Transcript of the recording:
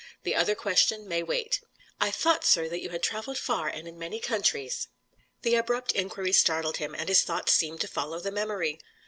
The other question may wait." "I thought, sir, that you had travelled far, and in many countries." The abrupt inquiry startled him, and his thoughts seemed to follow the memory.